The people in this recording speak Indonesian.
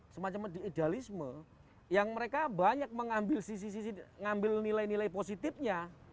semacam idealisme yang mereka banyak mengambil nilai nilai positifnya